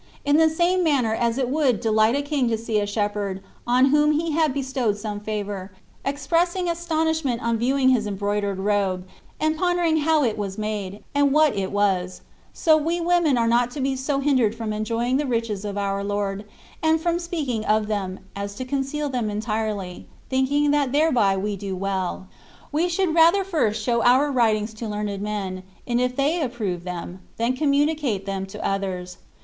In the same manner as it would delight a king to see a shepherd, on whom He had bestowed some favour, expressing astonishment on viewing his embroidered robe, and pondering how it was made, and what it wa&; so we women are not to be so hindered from enjoying the riches of our Lord, and from speaking of them, as to conceal them entirely, thinking that thereby we do well. We should rather first show our writings to learned men; and if they approve them, then communicate them to others.